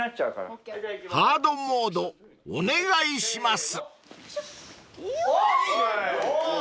［ハードモードお願いします］